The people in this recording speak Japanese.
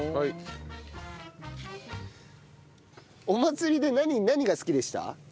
お祭りで何が好きでした？